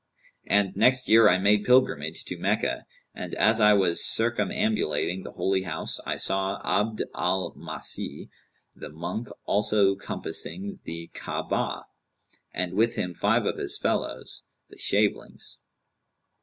And next year I made pilgrimage to Meccah and as I was circumambulating the Holy House I saw Abd al Masih the monk also compassing the Ka'abah, and with him five of his fellows, the shavelings.